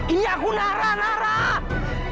ini aku narah narah